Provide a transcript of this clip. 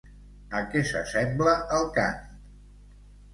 A què s'assembla el cant?